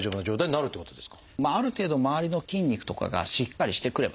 ある程度周りの筋肉とかがしっかりしてくればですね